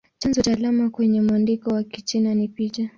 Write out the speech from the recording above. Chanzo cha alama kwenye mwandiko wa Kichina ni picha.